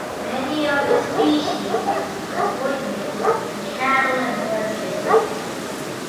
Many of the species are poisonous to cattle and horses.